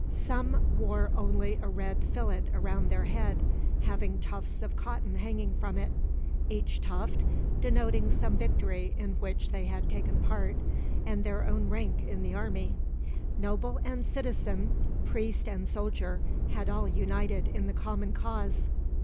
Some wore only a red fillet round their head, having tufts of cotton hanging from it; each tuft denoting some victory in which they had taken part, and their own rank in the army. Noble and citizen, priest and soldier, had all united in the common cause.